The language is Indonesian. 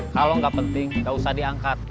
kalau gak penting gak usah diangkat